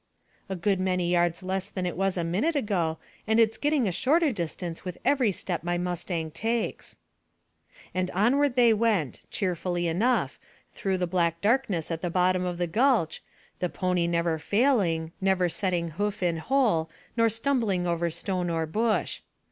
"A good many yards less than it was a minute ago, and it's getting a shorter distance with every step my mustang takes." And onward they went, cheerfully enough, through the black darkness at the bottom of the gulch, the pony never failing, never setting hoof in hole nor stumbling over stone or bush.